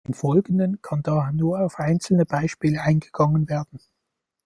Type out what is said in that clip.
Im Folgenden kann daher nur auf einzelne Beispiele eingegangen werden.